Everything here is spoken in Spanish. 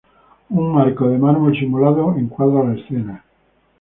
Un marco de mármol simulado, encuadra la escena.